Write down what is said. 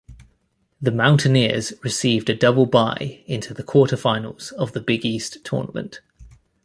The Mountaineers received a double-bye into the quarterfinals of the Big East Tournament.